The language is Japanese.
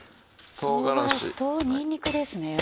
唐辛子とにんにくですね。